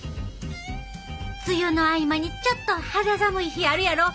梅雨の合間にちょっと肌寒い日あるやろ？